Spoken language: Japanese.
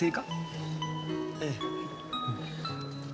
ええ。